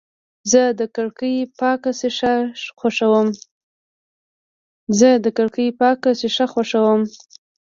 زه د کړکۍ پاکه شیشه خوښوم.